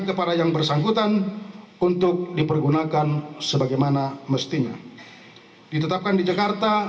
kepada yang bersangkutan untuk dipergunakan sebagaimana mestinya ditetapkan di jakarta